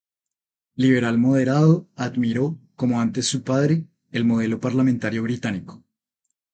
Liberal moderado, admiró, como antes su padre, el modelo parlamentario británico.